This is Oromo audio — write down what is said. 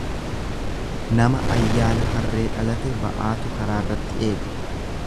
Nama ayyaana harree dhalate ba'aatu karaarratti eega.